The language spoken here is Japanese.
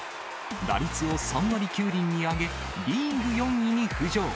打率を３割９厘に上げ、リーグ４位に浮上。